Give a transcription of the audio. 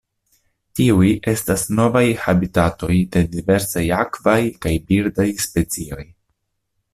Tiuj estas novaj habitatoj de diversaj akvaj kaj birdaj specioj.